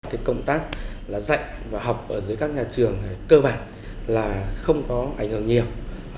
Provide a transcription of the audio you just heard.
cái công tác là dạy và học ở dưới các nhà trường cơ bản là không có ảnh hưởng nhiều